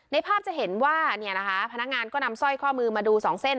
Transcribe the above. ภาพจะเห็นว่าเนี่ยนะคะพนักงานก็นำสร้อยข้อมือมาดูสองเส้น